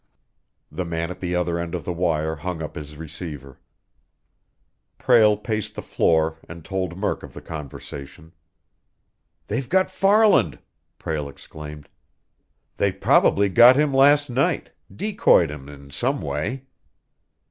The man at the other end of the wire hung up his receiver. Prale paced the floor and told Murk of the conversation. "They've got Farland!" Prale exclaimed. "They probably got him last night, decoyed him in some way.